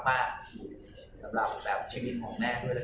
ปรากฏแปลว่าชีวิตของแม่เยี่ยมมาก